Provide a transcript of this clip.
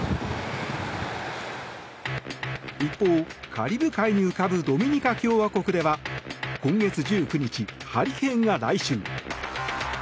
一方、カリブ海に浮かぶドミニカ共和国では今月１９日、ハリケーンが来襲。